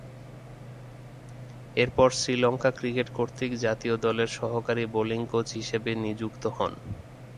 এরপর, শ্রীলঙ্কা ক্রিকেট কর্তৃক জাতীয় দলের সহকারী বোলিং কোচ হিসেবে নিযুক্ত হন।